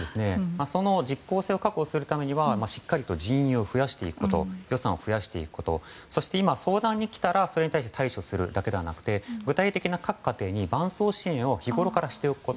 実効性を確保するためにはしっかり人員を増やすこと予算を増やしていくことそして今、相談に来たらそれに対して対処するだけではなくて具体的な各家庭に伴走支援をしていくこと。